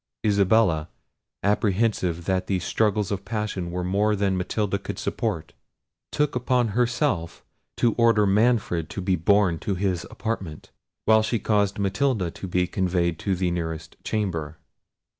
Isabella, apprehensive that these struggles of passion were more than Matilda could support, took upon herself to order Manfred to be borne to his apartment, while she caused Matilda to be conveyed to the nearest chamber.